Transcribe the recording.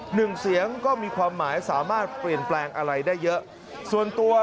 หนึ่งเสียงก็มีความหมายสามารถเปลี่ยนแปลงอะไรได้เยอะส่วนตัว